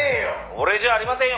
「俺じゃありませんよ